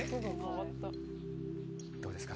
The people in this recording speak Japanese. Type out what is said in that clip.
どうですか？